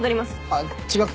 あっ違くて。